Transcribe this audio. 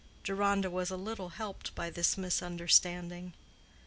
Deronda was a little helped by this misunderstanding.